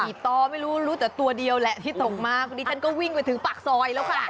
ต่อไม่รู้รู้แต่ตัวเดียวแหละที่ตกมาพอดีฉันก็วิ่งไปถึงปากซอยแล้วค่ะ